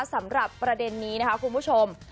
สำหรับประเด็นนี้นะคะคุณผู้ชม